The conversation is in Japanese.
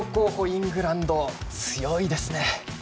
イングランド強いですね。